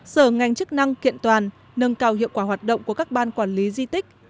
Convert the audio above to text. sở ngành chức năng kiện toàn nâng cao hiệu quả hoạt động của các ban quản lý di tích